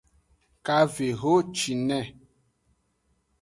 Kavehocine.